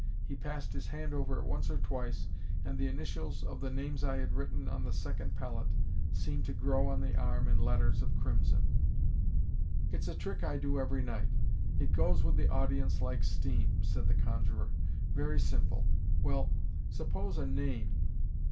He passed his hand over it once or twice, and the initials of the names I had written on the second pellet seemed to grow on the arm in letters of crimson. "It's a trick I do every night. It goes with the audience like steam," said the conjurer. "Very simple. Well, suppose a name.